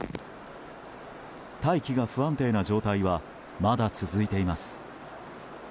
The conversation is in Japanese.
大気が不安定な状態はまだ続いています。